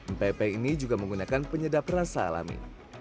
mpe mpe ini juga menggunakan penyedap rasa alami